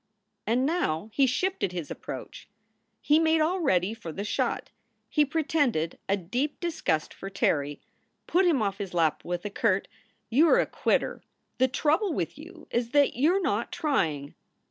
And now he shifted his approach. He made all ready for the shot. He pretended a deep disgust for Terry, put him off his lap with a curt: "You are a quitter. The trouble with you is that you re not trying."